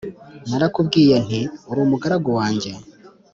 narakubwiye nti «Uri umugaragu wanjye;